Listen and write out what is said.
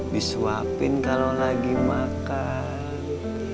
disuapin kalau lagi makan